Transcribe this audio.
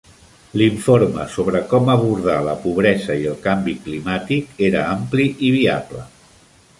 L'informe sobre com abordar la pobresa i el canvi climàtic era ampli i viable.